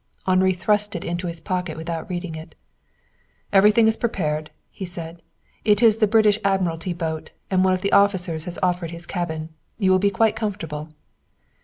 Henri thrust it into his pocket without reading it. "Everything is prepared," he said. "It is the British Admiralty boat, and one of the officers has offered his cabin. You will be quite comfortable."